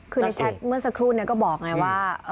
คือในแชทเมื่อสักครู่ก็บอกไงว่า